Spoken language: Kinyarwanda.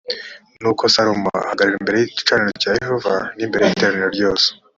nuko salomo ahagarara imbere y igicaniro cya yehova n imbere y iteraniro ryose